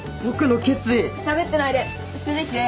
しゃべってないで捨ててきて。